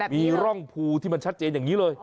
มีร่องภูที่มันชัดเจนอย่างนี้เลย